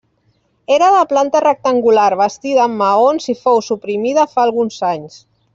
Era de planta rectangular, bastida amb maons i fou suprimida fa alguns anys.